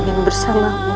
tidak ada kesalahan